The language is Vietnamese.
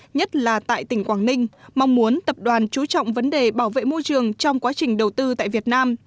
nhất là tại tỉnh quảng ninh mong muốn tập đoàn chú trọng vấn đề bảo vệ môi trường trong quá trình đầu tư tại việt nam